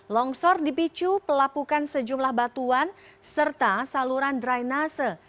longsor dipicu pelapukan sejumlah batuan serta saluran dry nasa